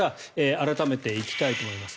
改めていきたいと思います。